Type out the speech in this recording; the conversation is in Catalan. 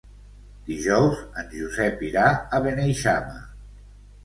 Dijous en Josep irà a Beneixama.